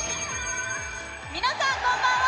皆さん、こんばんは。